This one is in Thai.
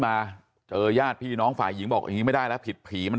มาเจอญาติพี่น้องฝ่ายหญิงบอกอย่างนี้ไม่ได้แล้วผิดผีมัน